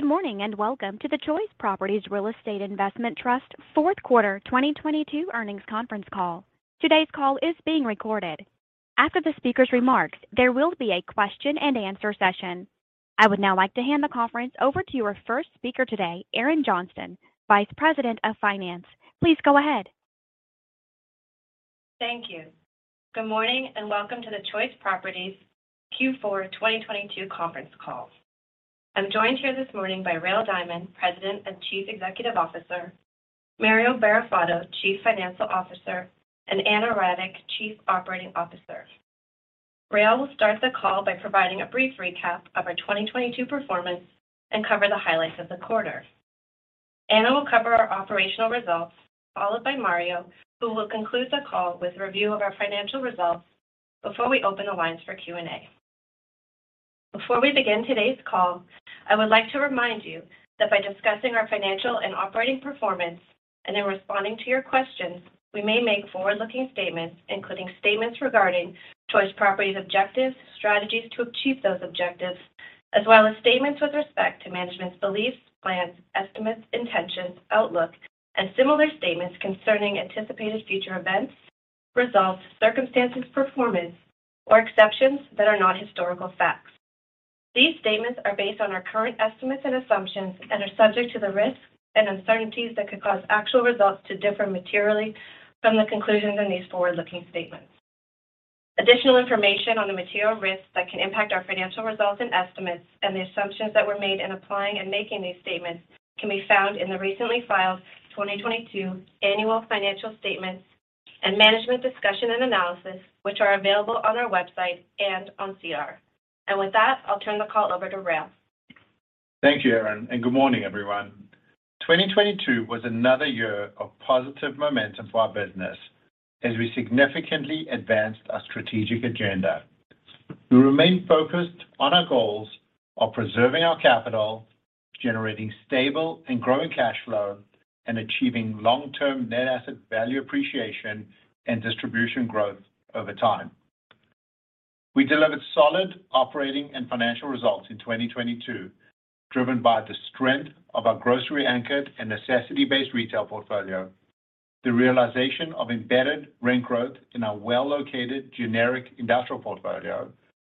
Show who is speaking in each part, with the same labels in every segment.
Speaker 1: Good morning, and welcome to the Choice Properties Real Estate Investment Trust fourth quarter 2022 earnings conference call. Today's call is being recorded. After the speaker's remarks, there will be a question and answer session. I would now like to hand the conference over to our first speaker today, Erin Johnston, Vice President of Finance. Please go ahead.
Speaker 2: Thank you. Welcome to the Choice Properties Q4 2022 conference call. I'm joined here this morning by Rael Diamond, President and Chief Executive Officer; Mario Barrafato, Chief Financial Officer; and Ana Radic, Chief Operating Officer. Rael will start the call by providing a brief recap of our 2022 performance and cover the highlights of the quarter. Ana will cover our operational results, followed by Mario, who will conclude the call with review of our financial results before we open the lines for Q&A. Before we begin today's call, I would like to remind you that by discussing our financial and operating performance and in responding to your questions, we may make forward-looking statements, including statements regarding Choice Properties objectives, strategies to achieve those objectives, as well as statements with respect to management's beliefs, plans, estimates, intentions, outlook, and similar statements concerning anticipated future events, results, circumstances, performance, or exceptions that are not historical facts. These statements are based on our current estimates and assumptions and are subject to the risks and uncertainties that could cause actual results to differ materially from the conclusions in these forward-looking statements. Additional information on the material risks that can impact our financial results and estimates and the assumptions that were made in applying and making these statements can be found in the recently filed 2022 annual financial statements and management discussion and analysis, which are available on our website and on SEDAR. With that, I'll turn the call over to Rael.
Speaker 3: Thank you, Erin, and good morning, everyone. 2022 was another year of positive momentum for our business as we significantly advanced our strategic agenda. We remain focused on our goals of preserving our capital, generating stable and growing cash flow, and achieving long-term net asset value appreciation and distribution growth over time. We delivered solid operating and financial results in 2022, driven by the strength of our grocery-anchored and necessity-based retail portfolio, the realization of embedded rent growth in our well-located generic industrial portfolio,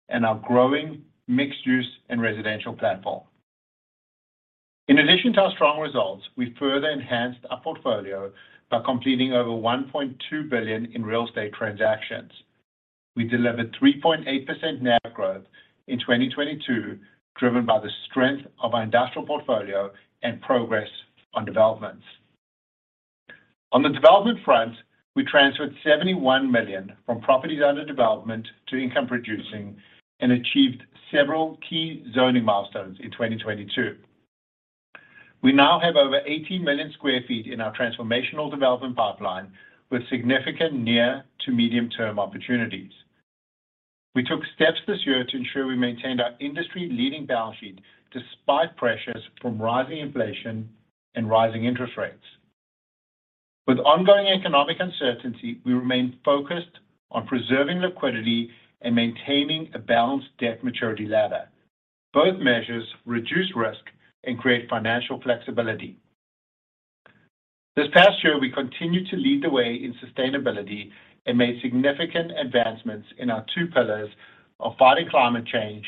Speaker 3: and our growing mixed-use and residential platform. In addition to our strong results, we further enhanced our portfolio by completing over 1.2 billion in real estate transactions. We delivered 3.8% NAV growth in 2022, driven by the strength of our industrial portfolio and progress on developments. On the development front, we transferred 71 million from properties under development to income producing and achieved several key zoning milestones in 2022. We now have over 80 million sq ft in our transformational development pipeline with significant near to medium term opportunities. We took steps this year to ensure we maintained our industry leading balance sheet despite pressures from rising inflation and rising interest rates. With ongoing economic uncertainty, we remain focused on preserving liquidity and maintaining a balanced debt maturity ladder. Both measures reduce risk and create financial flexibility. This past year, we continued to lead the way in sustainability and made significant advancements in our two pillars of fighting climate change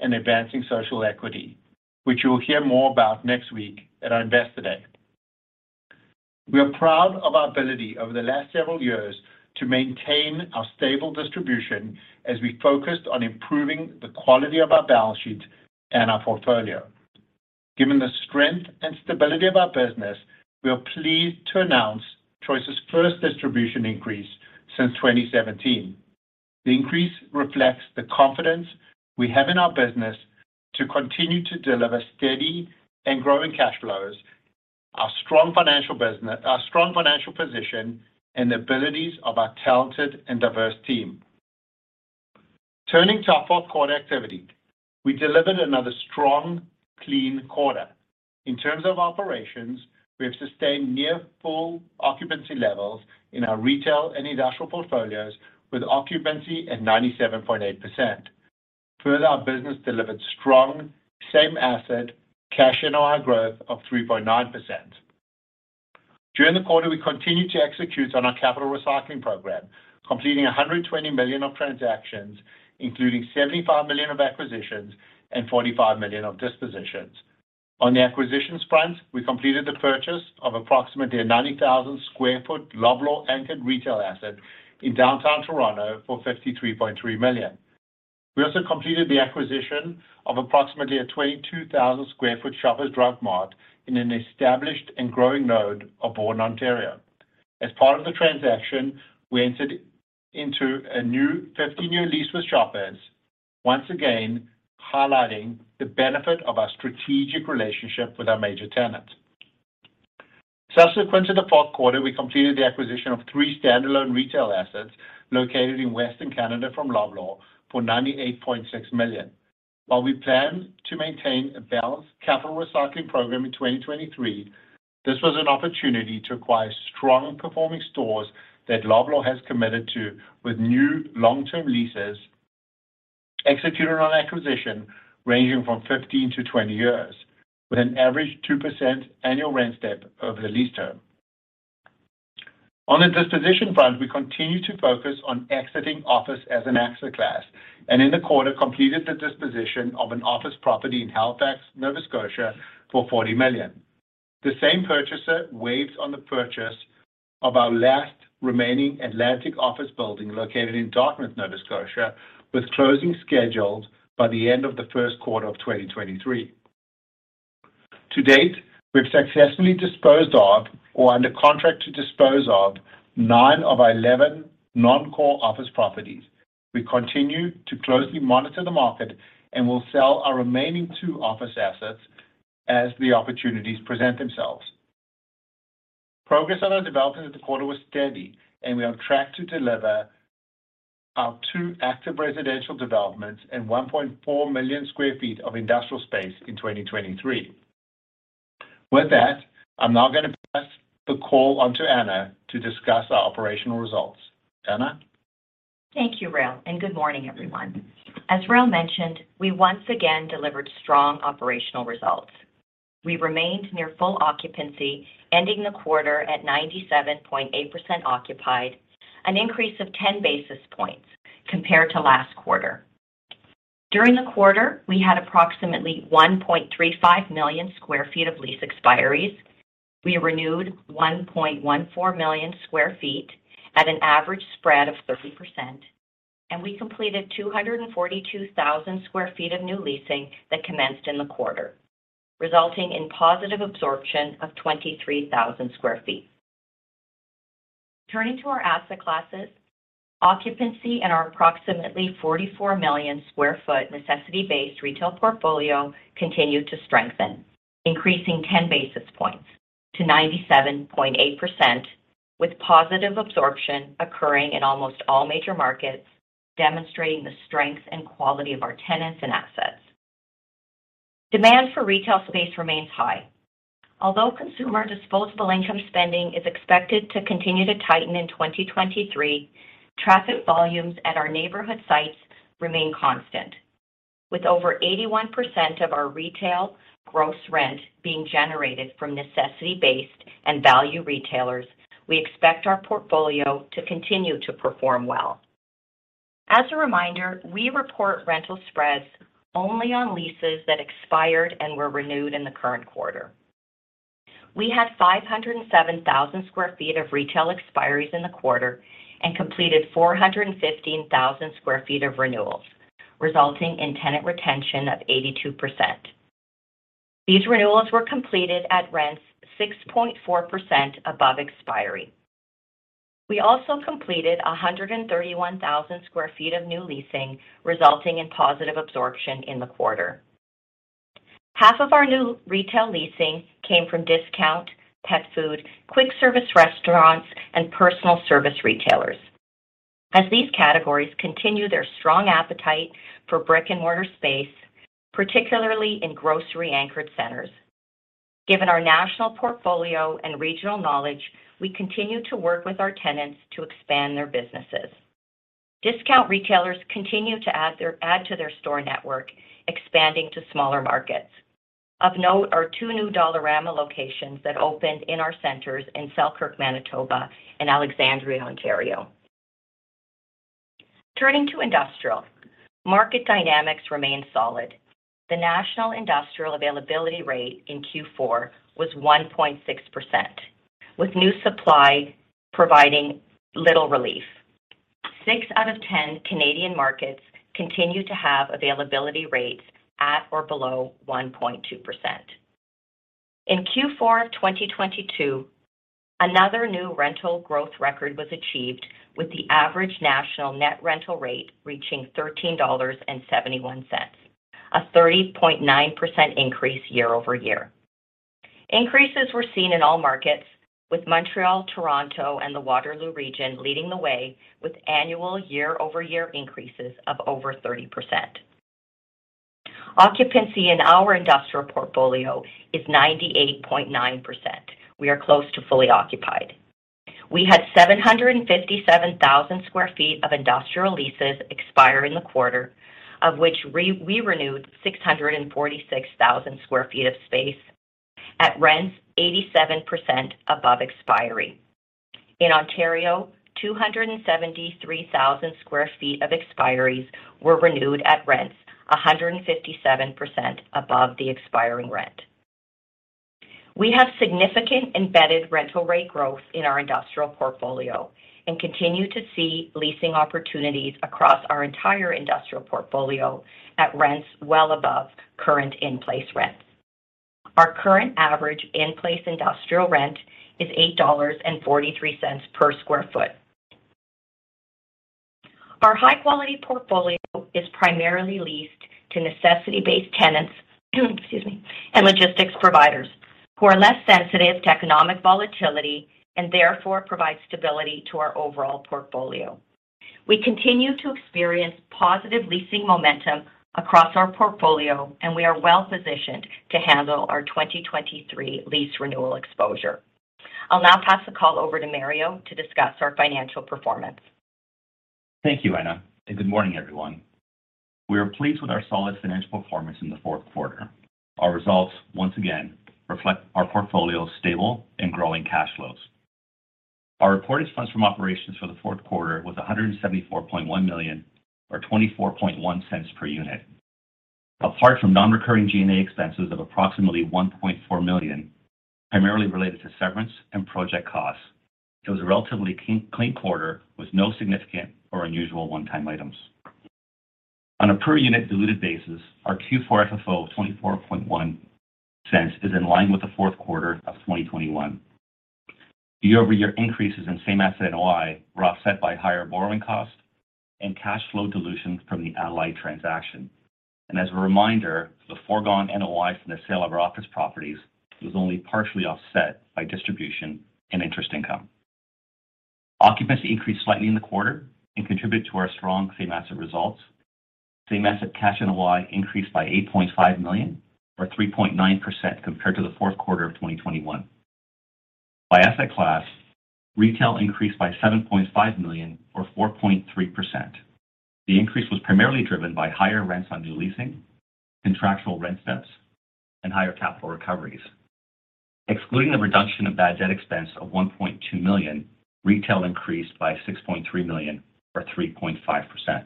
Speaker 3: and advancing social equity, which you will hear more about next week at our Investor Day. We are proud of our ability over the last several years to maintain our stable distribution as we focused on improving the quality of our balance sheet and our portfolio. Given the strength and stability of our business, we are pleased to announce Choice's first distribution increase since 2017. The increase reflects the confidence we have in our business to continue to deliver steady and growing cash flows, our strong financial position, and the abilities of our talented and diverse team. Turning to our fourth quarter activity, we delivered another strong, clean quarter. In terms of operations, we have sustained near full occupancy levels in our retail and industrial portfolios, with occupancy at 97.8%. Our business delivered strong same asset cash and NOI growth of 3.9%. During the quarter, we continued to execute on our capital recycling program, completing 120 million of transactions, including 75 million of acquisitions and 45 million of dispositions. On the acquisitions front, we completed the purchase of approximately a 90,000 sq ft Loblaw anchored retail asset in downtown Toronto for 53.3 million. We also completed the acquisition of approximately a 22,000 sq ft Shoppers Drug Mart in an established and growing node of Vaughan, Ontario. As part of the transaction, we entered into a new 50-year lease with Shoppers, once again highlighting the benefit of our strategic relationship with our major tenant. Subsequent to the fourth quarter, we completed the acquisition of three standalone retail assets located in Western Canada from Loblaw for 98.6 million. While we plan to maintain a balanced capital recycling program in 2023, this was an opportunity to acquire strong performing stores that Loblaw has committed to with new long-term leases. Execute on acquisition ranging from 15-20 years, with an average 2% annual rent step over the lease term. On the disposition front, we continue to focus on exiting office as an asset class, and in the quarter completed the disposition of an office property in Halifax, Nova Scotia for 40 million. The same purchaser waived on the purchase of our last remaining Atlantic office building located in Dartmouth, Nova Scotia, with closing scheduled by the end of the first quarter of 2023. To date, we've successfully disposed of or under contract to dispose of 9 of our 11 non-core office properties. We continue to closely monitor the market and will sell our remaining two office assets as the opportunities present themselves. Progress on our development in the quarter was steady, and we are on track to deliver our 2 active residential developments and 1.4 million sq ft of industrial space in 2023. With that, I'm now going to pass the call on to Ana to discuss our operational results. Ana.
Speaker 4: Thank you, Rael. Good morning, everyone. As Rael mentioned, we once again delivered strong operational results. We remained near full occupancy, ending the quarter at 97.8% occupied, an increase of 10 basis points compared to last quarter. During the quarter, we had approximately 1.35 million sq ft of lease expiries. We renewed 1.14 million sq ft at an average spread of 30%, and we completed 242,000 sq ft of new leasing that commenced in the quarter, resulting in positive absorption of 23 sq ft. Turning to our asset classes, occupancy in our approximately 44 million sq ft necessity-based retail portfolio continued to strengthen, increasing 10 basis points to 97.8% with positive absorption occurring in almost all major markets, demonstrating the strength and quality of our tenants and assets. Demand for retail space remains high. Although consumer disposable income spending is expected to continue to tighten in 2023, traffic volumes at our neighborhood sites remain constant. With over 81% of our retail gross rent being generated from necessity-based and value retailers, we expect our portfolio to continue to perform well. As a reminder, we report rental spreads only on leases that expired and were renewed in the current quarter. We had 507,000 sq ft of retail expiries in the quarter and completed 415,000 sq ft of renewals, resulting in tenant retention of 82%. These renewals were completed at rents 6.4% above expiry. We also completed 131,000 sq ft of new leasing, resulting in positive absorption in the quarter. Half of our new retail leasing came from discount, pet food, quick service restaurants, and personal service retailers. As these categories continue their strong appetite for brick-and-mortar space, particularly in grocery-anchored centers. Given our national portfolio and regional knowledge, we continue to work with our tenants to expand their businesses. Discount retailers continue to add to their store network, expanding to smaller markets. Of note are two new Dollarama locations that opened in our centers in Selkirk, Manitoba, and Alexandria, Ontario. Turning to industrial. Market dynamics remain solid. The national industrial availability rate in Q4 was 1.6%, with new supply providing little relief. 6 out of 10 Canadian markets continue to have availability rates at or below 1.2%. In Q4 of 2022, another new rental growth record was achieved with the average national net rental rate reaching 13.71 dollars, a 30.9% increase year-over-year. Increases were seen in all markets with Montreal, Toronto and the Waterloo Region leading the way with annual year-over-year increases of over 30%. Occupancy in our industrial portfolio is 98.9%. We are close to fully occupied. We had 757,000 sq ft of industrial leases expire in the quarter, of which we renewed 646,000 sq ft of space at rents 87% above expiry. In Ontario, 273,000 sq ft of expiries were renewed at rents 157% above the expiring rent. We have significant embedded rental rate growth in our industrial portfolio and continue to see leasing opportunities across our entire industrial portfolio at rents well above current in-place rents. Our current average in-place industrial rent is 8.43 dollars per sq ft. Our high-quality portfolio is primarily leased to necessity-based tenants, excuse me, and logistics providers who are less sensitive to economic volatility and therefore provide stability to our overall portfolio. We continue to experience positive leasing momentum across our portfolio. We are well-positioned to handle our 2023 lease renewal exposure.
Speaker 1: I'll now pass the call over to Mario to discuss our financial performance.
Speaker 5: Thank you, Ana. Good morning, everyone. We are pleased with our solid financial performance in the fourth quarter. Our results once again reflect our portfolio's stable and growing cash flows. Our reported funds from operations for the fourth quarter was 174.1 million or 0.241 per unit. Apart from non-recurring G&A expenses of approximately 1.4 million, primarily related to severance and project costs, it was a relatively clean quarter with no significant or unusual one-time items. On a per unit diluted basis, our Q4 FFO of 0.241 is in line with the fourth quarter of 2021. Year-over-year increases in same-asset NOI were offset by higher borrowing costs and cash flow dilutions from the Allied transaction. As a reminder, the foregone NOI from the sale of our office properties was only partially offset by distribution and interest income. Occupancy increased slightly in the quarter and contributed to our strong same asset results. Same-asset cash NOI increased by 8.5 million or 3.9% compared to the fourth quarter of 2021. By asset class, retail increased by 7.5 million or 4.3%. The increase was primarily driven by higher rents on new leasing, contractual rent steps, and higher capital recoveries. Excluding the reduction of bad debt expense of 1.2 million, retail increased by 6.3 million or 3.5%.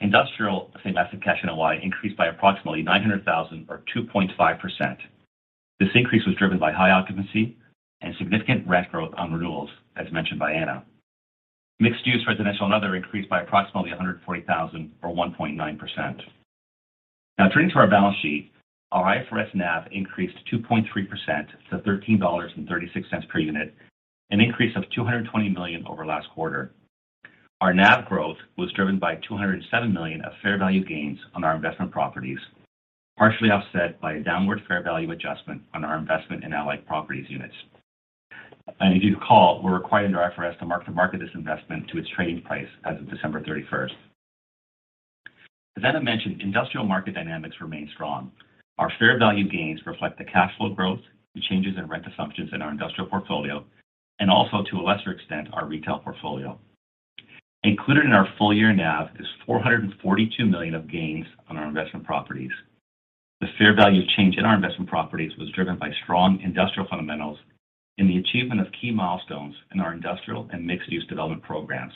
Speaker 5: Industrial same-asset cash NOI increased by approximately 900,000 or 2.5%. This increase was driven by high occupancy and significant rent growth on renewals, as mentioned by Ana. Mixed-use, residential and other increased by approximately 140,000 or 1.9%. Turning to our balance sheet, our IFRS NAV increased 2.3% to 13.36 dollars per unit, an increase of 220 million over last quarter. Our NAV growth was driven by 207 million of fair value gains on our investment properties, partially offset by a downward fair value adjustment on our investment in Allied Properties units. If you recall, we're required under IFRS to mark-to-market this investment to its trading price as of December 31st. As Ana mentioned, industrial market dynamics remain strong. Our fair value gains reflect the cash flow growth, the changes in rent assumptions in our industrial portfolio, and also, to a lesser extent, our retail portfolio. Included in our full year NAV is 442 million of gains on our investment properties. The fair value change in our investment properties was driven by strong industrial fundamentals in the achievement of key milestones in our industrial and mixed-use development programs.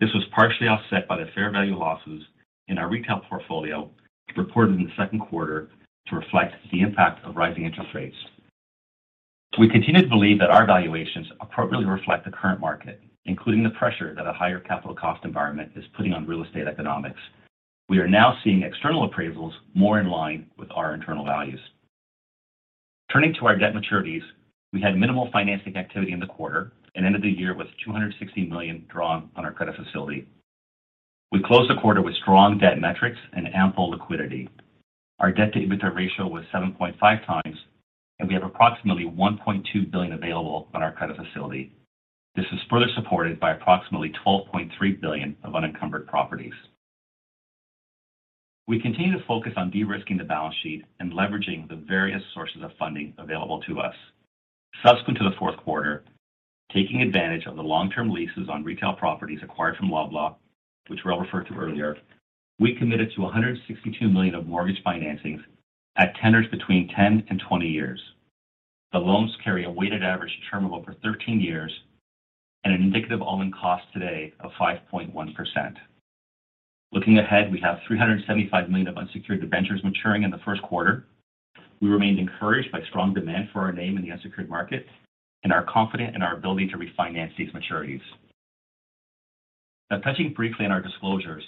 Speaker 5: This was partially offset by the fair value losses in our retail portfolio reported in the second quarter to reflect the impact of rising interest rates. We continue to believe that our valuations appropriately reflect the current market, including the pressure that a higher capital cost environment is putting on real estate economics. We are now seeing external appraisals more in line with our internal values. Turning to our debt maturities, we had minimal financing activity in the quarter and ended the year with 260 million drawn on our credit facility. We closed the quarter with strong debt metrics and ample liquidity. Our debt-to-EBITDA ratio was 7.5 times, and we have approximately 1.2 billion available on our credit facility. This is further supported by approximately 12.3 billion of unencumbered properties. We continue to focus on de-risking the balance sheet and leveraging the various sources of funding available to us. Subsequent to the fourth quarter, taking advantage of the long-term leases on retail properties acquired from Loblaw, which were all referred to earlier, we committed to 162 million of mortgage financings at tenors between 10 and 20 years. The loans carry a weighted average term of over 13 years and an indicative all-in cost today of 5.1%. Looking ahead, we have 375 million of unsecured debentures maturing in the first quarter. We remained encouraged by strong demand for our name in the unsecured market and are confident in our ability to refinance these maturities. Now, touching briefly on our disclosures,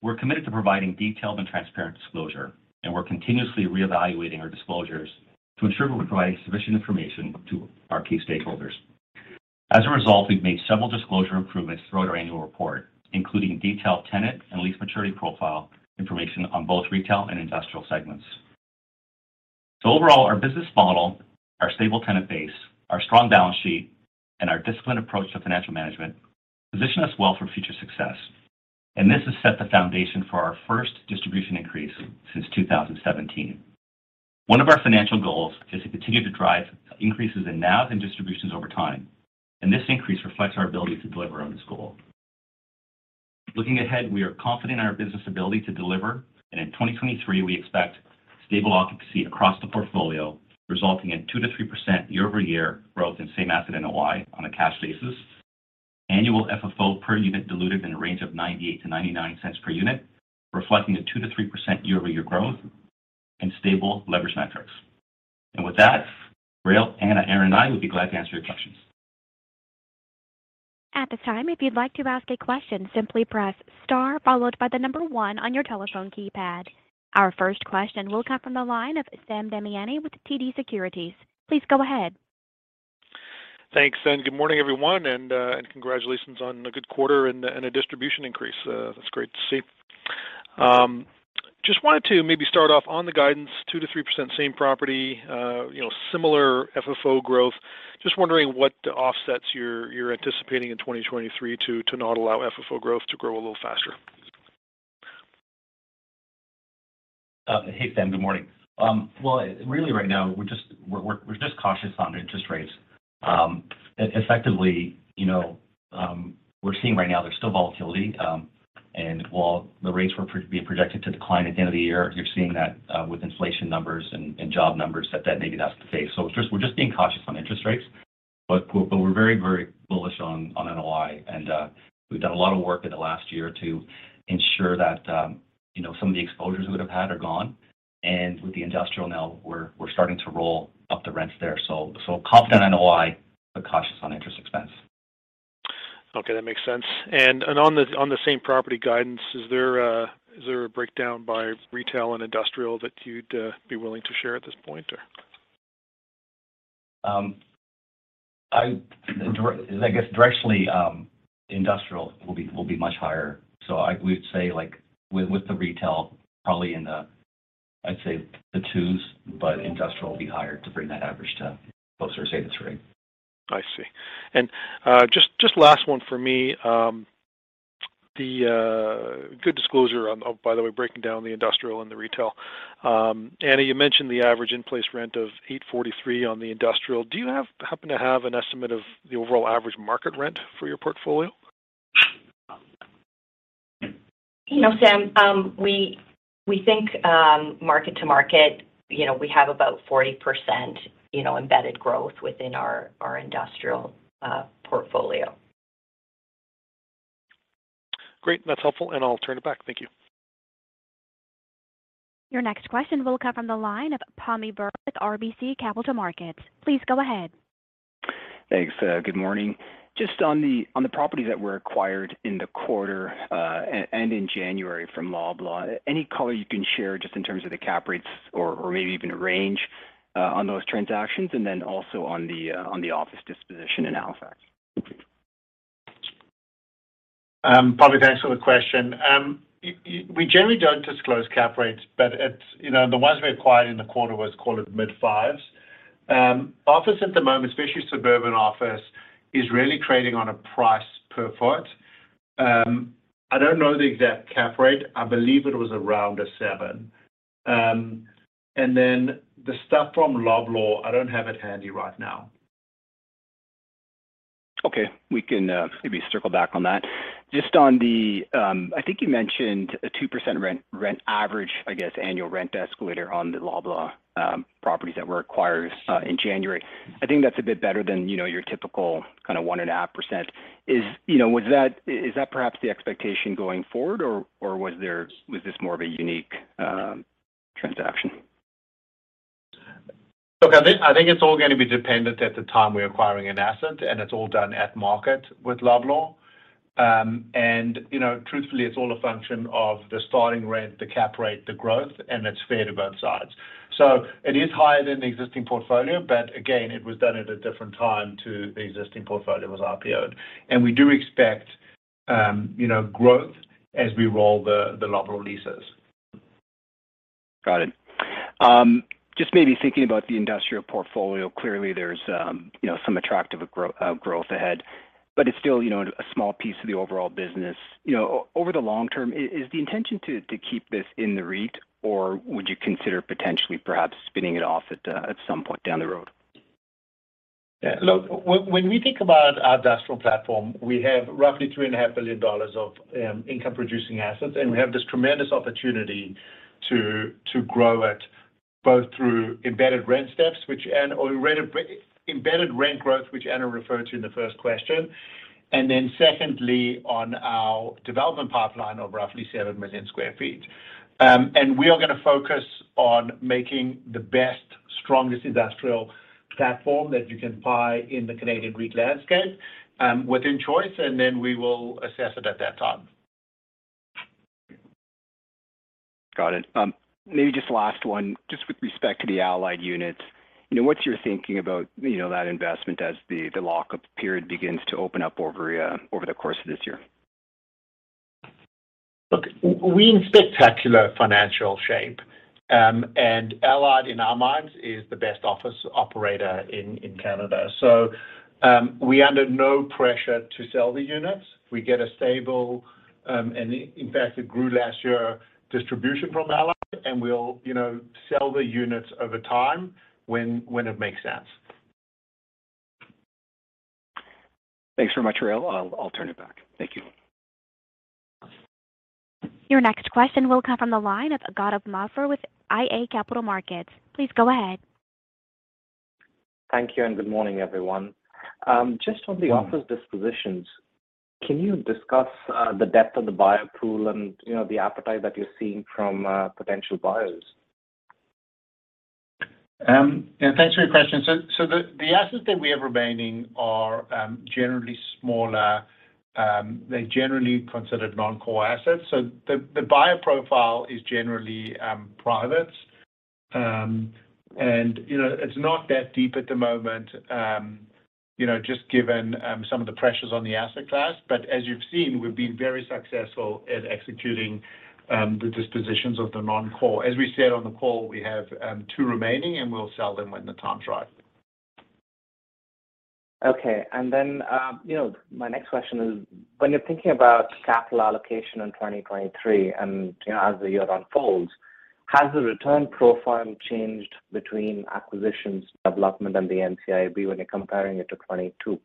Speaker 5: we're committed to providing detailed and transparent disclosure, and we're continuously reevaluating our disclosures to ensure we provide sufficient information to our key stakeholders. As a result, we've made several disclosure improvements throughout our annual report, including detailed tenant and lease maturity profile information on both retail and industrial segments. Overall, our business model, our stable tenant base, our strong balance sheet, and our disciplined approach to financial management position us well for future success. This has set the foundation for our first distribution increase since 2017. One of our financial goals is to continue to drive increases in NAV and distributions over time, and this increase reflects our ability to deliver on this goal. Looking ahead, we are confident in our business ability to deliver, in 2023, we expect stable occupancy across the portfolio, resulting in 2%-3% year-over-year growth in Same-Asset NOI on a cash basis. Annual FFO per unit diluted in a range of 0.98-0.99 per unit, reflecting a 2%-3% year-over-year growth and stable leverage metrics. With that, Rael, Ana, Erin, and I would be glad to answer your questions.
Speaker 1: At this time, if you'd like to ask a question, simply press star, followed by the 1 on your telephone keypad. Our first question will come from the line of Sam Damiani with TD Securities. Please go ahead.
Speaker 6: Thanks. Good morning, everyone, and congratulations on a good quarter and a distribution increase. That's great to see. Just wanted to maybe start off on the guidance, 2%-3% same property, you know, similar FFO growth. Just wondering what offsets you're anticipating in 2023 to not allow FFO growth to grow a little faster?
Speaker 5: Hey, Sam. Good morning. Well, really right now we're just cautious on interest rates. Effectively, you know, we're seeing right now there's still volatility. While the rates were being projected to decline at the end of the year, you're seeing that with inflation numbers and job numbers that maybe that's the case. Just we're just being cautious on interest rates. We're very bullish on NOI. We've done a lot of work in the last year to ensure that, you know, some of the exposures we would have had are gone. With the industrial now, we're starting to roll up the rents there. Confident in NOI but cautious on interest expense.
Speaker 6: Okay, that makes sense. On the same property guidance, is there a breakdown by retail and industrial that you'd be willing to share at this point or?
Speaker 5: I guess directionally, industrial will be much higher. We'd say with the retail probably in the, I'd say, the 2s%, but industrial will be higher to bring that average to closer, to 3%.
Speaker 6: I see. Just last one for me. Good disclosure, by the way, breaking down the industrial and the retail. Ana, you mentioned the average in-place rent of 8.43 on the industrial. Do you happen to have an estimate of the overall average market rent for your portfolio?
Speaker 4: You know, Sam, we think, market to market, you know, we have about 40%, you know, embedded growth within our industrial portfolio.
Speaker 6: Great. That's helpful and I'll turn it back. Thank you.
Speaker 1: Your next question will come from the line of Pammi Bhardwaj with RBC Capital Markets. Please go ahead.
Speaker 7: Thanks. Good morning. Just on the properties that were acquired in the quarter, and in January from Loblaw, any color you can share just in terms of the cap rates or maybe even a range, on those transactions, and then also on the on the office disposition in Halifax? Thank you.
Speaker 3: Pammi, thanks for the question. We generally don't disclose cap rates, but it's, you know, the ones we acquired in the quarter was call it mid-fives. Office at the moment, especially suburban office, is really trading on a price per foot. I don't know the exact cap rate. I believe it was around a 7%. The stuff from Loblaw, I don't have it handy right now.
Speaker 7: We can maybe circle back on that. Just on the I think you mentioned a 2% rent average, I guess, annual rent escalator on the Loblaw properties that were acquired in January. I think that's a bit better than, you know, your typical kind of 1.5%. Is, you know, is that perhaps the expectation going forward, or was this more of a unique transaction?
Speaker 3: Look, I think it's all going to be dependent at the time we're acquiring an asset, and it's all done at market with Loblaw. You know, truthfully, it's all a function of the starting rent, the cap rate, the growth, and it's fair to both sides. It is higher than the existing portfolio, but again, it was done at a different time to the existing portfolio that was IPO'd. We do expect, you know, growth as we roll the Loblaw leases.
Speaker 7: Got it. Just maybe thinking about the industrial portfolio. Clearly, there's, you know, some attractive growth ahead, but it's still, you know, a small piece of the overall business. You know, over the long term, is the intention to keep this in the REIT or would you consider potentially perhaps spinning it off at some point down the road?
Speaker 3: Yeah. Look, when we think about our industrial platform, we have roughly 3.5 billion dollars of income producing assets. We have this tremendous opportunity to grow it both through embedded rent growth, which Ana referred to in the first question. Secondly, on our development pipeline of roughly 7 million sq ft. We are going to focus on making the best, strongest industrial platform that you can buy in the Canadian REIT landscape within Choice, and then we will assess it at that time.
Speaker 7: Got it. Maybe just last one. Just with respect to the Allied units, you know, what's your thinking about, you know, that investment as the lock-up period begins to open up over the course of this year?
Speaker 3: Look, we're in spectacular financial shape, and Allied, in our minds, is the best office operator in Canada. We're under no pressure to sell the units. We get a stable, and in fact it grew last year, distribution from Allied, and we'll, you know, sell the units over time when it makes sense.
Speaker 7: Thanks very much, Rael. I'll turn it back. Thank you.
Speaker 1: Your next question will come from the line of Gautam Mathur with iA Capital Markets. Please go ahead.
Speaker 8: Thank you and good morning, everyone. Just on the office dispositions, can you discuss the depth of the buyer pool and, you know, the appetite that you're seeing from potential buyers?
Speaker 3: Yeah. Thanks for your question. The assets that we have remaining are generally smaller. They're generally considered non-core assets. The buyer profile is generally privates. You know, it's not that deep at the moment, you know, just given some of the pressures on the asset class. As you've seen, we've been very successful at executing the dispositions of the non-core. As we said on the call, we have two remaining, and we'll sell them when the time's right.
Speaker 8: Okay. You know, my next question is, when you're thinking about capital allocation in 2023 and, you know, as the year unfolds, has the return profile changed between acquisitions, development, and the NCIB when you're comparing it to 2022?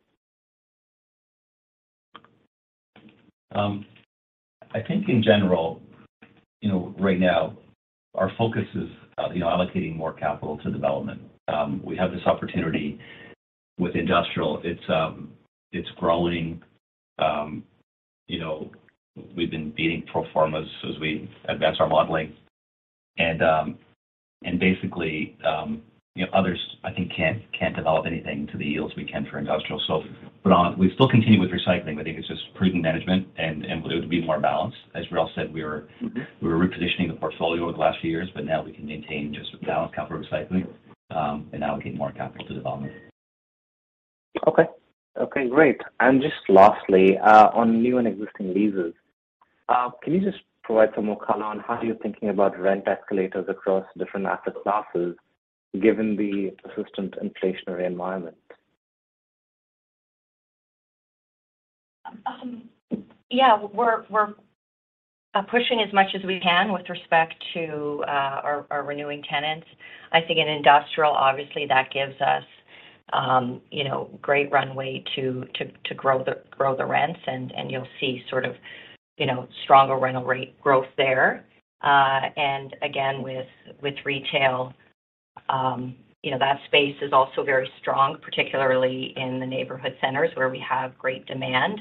Speaker 5: I think in general, you know, right now our focus is, you know, allocating more capital to development. We have this opportunity with industrial. It's growing. You know, we've been beating pro formas as we advance our modeling. Basically, you know, others I think can't develop anything to the yields we can for industrial. We still continue with recycling. I think it's just prudent management and it would be more balanced. As we all said.
Speaker 8: Mm-hmm...
Speaker 5: we're repositioning the portfolio over the last few years, but now we can maintain just a balanced capital recycling, and allocate more capital to development.
Speaker 8: Okay. Okay, great. Lastly, on new and existing leases, can you just provide some more color on how you're thinking about rent escalators across different asset classes given the persistent inflationary environment?
Speaker 4: Yeah, we're pushing as much as we can with respect to our renewing tenants. I think in industrial, obviously that gives us, you know, great runway to grow the rents and you'll see sort of, you know, stronger rental rate growth there. And again with retail, you know, that space is also very strong, particularly in the neighborhood centers where we have great demand,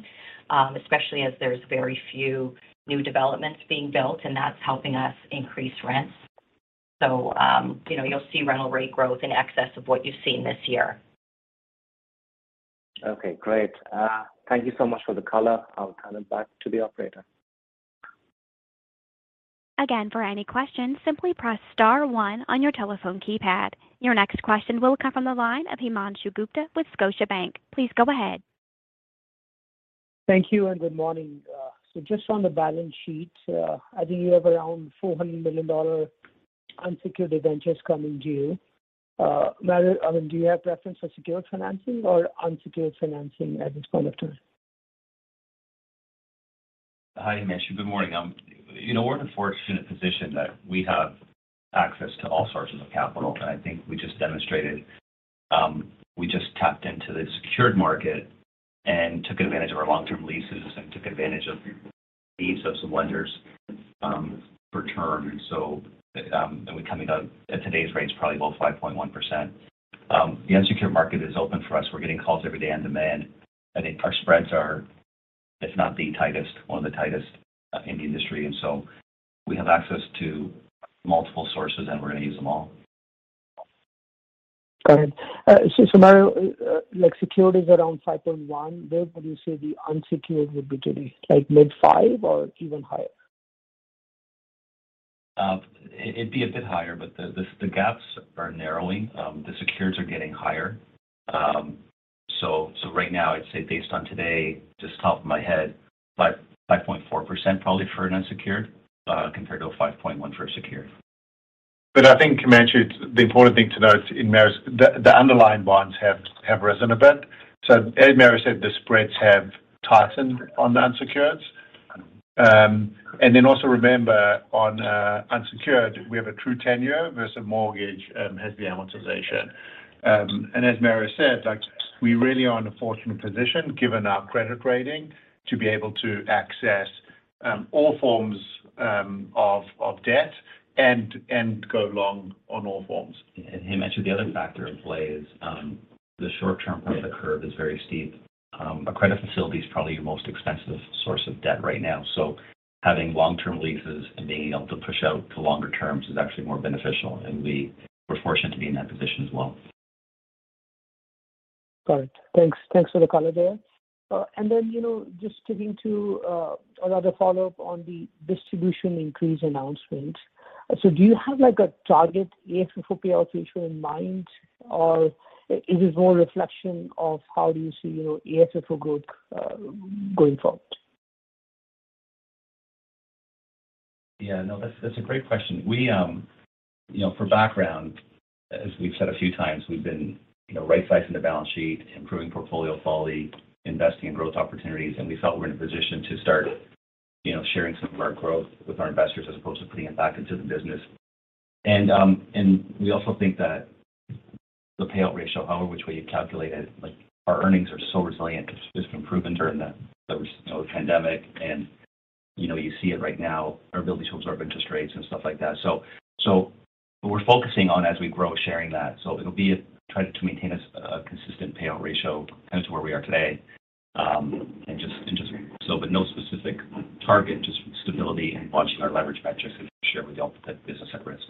Speaker 4: especially as there's very few new developments being built, and that's helping us increase rents. You know, you'll see rental rate growth in excess of what you've seen this year.
Speaker 8: Okay, great. thank you so much for the color. I'll turn it back to the operator.
Speaker 1: Again, for any questions, simply press star one on your telephone keypad. Your next question will come from the line of Himanshu Gupta with Scotiabank. Please go ahead.
Speaker 9: Thank you and good morning. Just on the balance sheet, I think you have around 400 million dollar unsecured debentures coming due. Mario, I mean, do you have preference for secured financing or unsecured financing at this point of time?
Speaker 5: Hi, Himanshu. Good morning. You know, we're in a fortunate position that we have access to all sources of capital. I think we just demonstrated, we just tapped into the secured market and took advantage of our long-term leases and took advantage of the needs of some lenders, return. We come into, at today's rates, probably about 5.1%. The unsecured market is open for us. We're getting calls every day on demand. I think our spreads are, if not the tightest, one of the tightest in the industry, we have access to multiple sources, and we're gonna use them all.
Speaker 9: Got it. Mario, like secured is around 5.1%. Would you say the unsecured would be to the like mid-5% or even higher?
Speaker 5: It'd be a bit higher, but the gaps are narrowing. The secures are getting higher. Right now I'd say based on today, just top of my head, 5.4% probably for an unsecured, compared to a 5.1% for a secured.
Speaker 3: I think, Himanshu, the important thing to note in Mario's... The underlying bonds have risen a bit. As Mario said, the spreads have tightened on the unsecureds. Also remember on unsecured, we have a true tenure versus mortgage, has the amortization. As Mario said, like we really are in a fortunate position, given our credit rating, to be able to access all forms of debt and go long on all forms.
Speaker 5: Himanshu, the other factor at play is the short-term part of the curve is very steep. A credit facility is probably your most expensive source of debt right now. Having long-term leases and being able to push out to longer terms is actually more beneficial. We're fortunate to be in that position as well.
Speaker 9: Got it. Thanks. Thanks for the color there. You know, just sticking to another follow-up on the distribution increase announcement. Do you have like a target AFFO payout ratio in mind, or is it more a reflection of how do you see, you know, AFFO growth going forward?
Speaker 5: Yeah. No, that's a great question. We, you know, for background, as we've said a few times, we've been, you know, rightsizing the balance sheet, improving portfolio quality, investing in growth opportunities, and we felt we're in a position to start, you know, sharing some of our growth with our investors as opposed to putting it back into the business. We also think that the payout ratio, however which way you calculate it, like our earnings are so resilient. It's been proven during the, those, you know, pandemic and, you know, you see it right now, our ability to absorb interest rates and stuff like that. What we're focusing on as we grow, sharing that. It'll be trying to maintain a consistent payout ratio kind of to where we are today. Just so, but no specific target, just stability and watching our leverage metrics and share with the ultimate business at risk.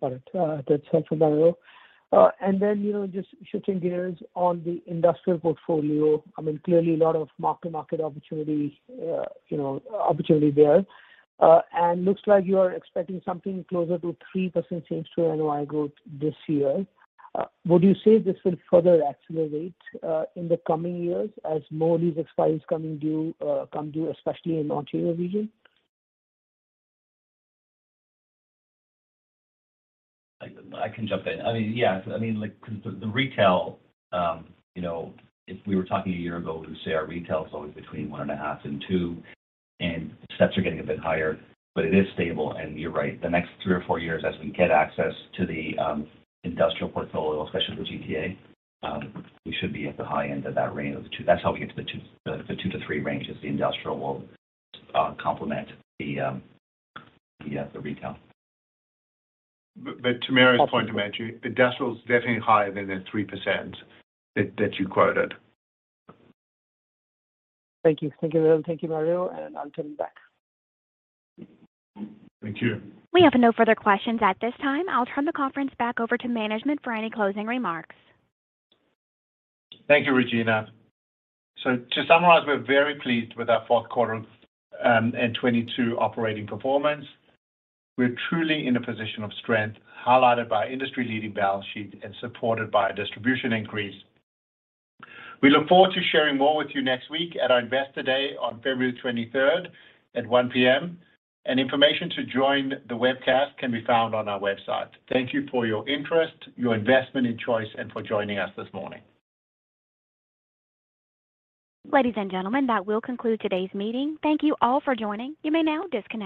Speaker 9: Got it. That's helpful, Mario. You know, just shifting gears on the industrial portfolio, I mean, clearly a lot of mark-to-market opportunity, you know, opportunity there. Looks like you are expecting something closer to 3% change to NOI growth this year. Would you say this will further accelerate in the coming years as more leases expire come due, especially in Ontario region?
Speaker 5: I can jump in. I mean, yeah, I mean, like the retail, you know, if we were talking a year ago, we'd say our retail is always between one and a half and two, and the sets are getting a bit higher, but it is stable. You're right, the next three or four years as we get access to the industrial portfolio, especially the GTA, we should be at the high end of that range of the two. That's how we get to the two, the two-three range as the industrial will complement the retail.
Speaker 3: To Mario's point, Himanshu, industrial is definitely higher than the 3% that you quoted.
Speaker 9: Thank you. Thank you, Will. Thank you, Mario. I'll turn it back.
Speaker 3: Thank you.
Speaker 1: We have no further questions at this time. I'll turn the conference back over to management for any closing remarks.
Speaker 3: Thank you, Regina. To summarize, we're very pleased with our fourth quarter and 2022 operating performance. We're truly in a position of strength, highlighted by industry-leading balance sheet and supported by a distribution increase. We look forward to sharing more with you next week at our Investor Day on February 23rd at 1:00 P.M., and information to join the webcast can be found on our website. Thank you for your interest, your investment and Choice, and for joining us this morning.
Speaker 1: Ladies and gentlemen, that will conclude today's meeting. Thank you all for joining. You may now disconnect.